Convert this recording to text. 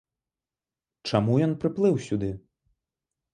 Чаму ён прыплыў сюды?